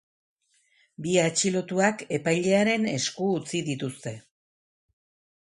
Bi atxilotuak epailearen esku utzi dituzte.